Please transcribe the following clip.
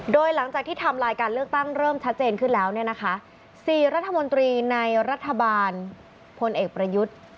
โดยหลังจากที่ทำลายการเลือกตั้งเริ่มชัดเจนขึ้นแล้วเนี่ยนะคะ๔รัฐมนตรีในรัฐบาลพลเอกประยุทธ์